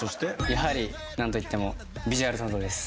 やはりなんといってもビジュアル担当です。